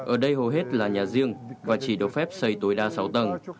ở đây hầu hết là nhà riêng và chỉ được phép xây tối đa sáu tầng